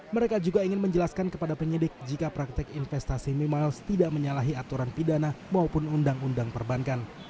mereka juga ingin menjelaskan kepada penyidik jika praktek investasi mimiles tidak menyalahi aturan pidana maupun undang undang perbankan